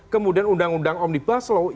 kemudian undang undang omnibus law